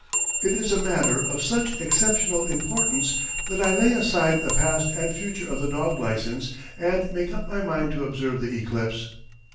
It is a matter of such exceptional importance that I lay aside the "Past and Future of the Dog Licence" and make up my mind to observe the eclipse.